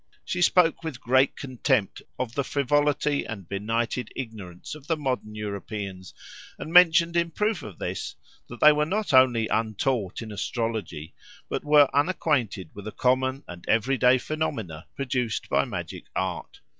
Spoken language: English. She spoke with great contempt of the frivolity and benighted ignorance of the modern Europeans, and mentioned in proof of this, that they were not only untaught in astrology, but were unacquainted with the common and every day phenomena produced by magic art.